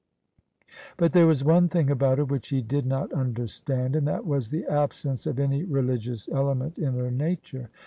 But there was one thing about her which he did not understand: and that was the absence of any religious ele ment in her nature.